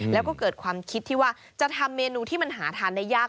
แล้วก็เกิดความคิดที่ว่าจะทำเมนูที่มันหาทานได้ยาก